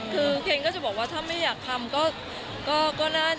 คือเคนก็จะบอกว่าถ้าไม่อยากทำก็นั่น